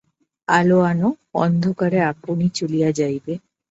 আলো আন, অন্ধকার আপনি চলিয়া যাইবে।